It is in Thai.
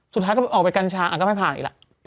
สุดท้ายก็ออกไปกัญชาก็ไม่ผ่านอีกล่ะ